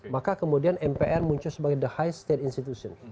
maka kemudian mpr muncul sebagai the high state institution